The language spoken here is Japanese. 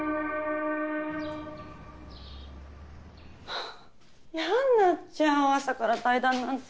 はぁやんなっちゃう朝から対談なんて。